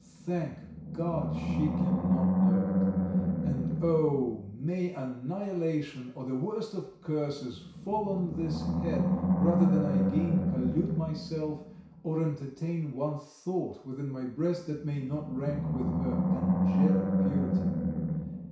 Thank God! she cannot know it! And oh, may annihilation, or the worst of curses, fall on this head, rather than I again pollute myself, or entertain one thought within my breast that may not rank with her angelic purity!